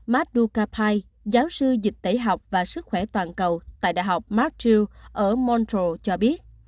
matt dukapai giáo sư dịch tẩy học và sức khỏe toàn cầu tại đại học marshall ở montreal cho biết